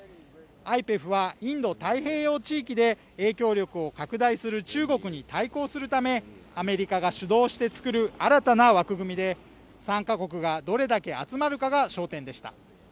ＩＰＥＦはインド太平洋地域で影響力を拡大する中国に対抗するためアメリカが主導して作る新たな枠組みで参加国がどれだけ集まるかが焦点でした。